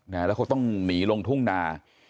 แล้วเขาต้องหนีลงทุ่งนา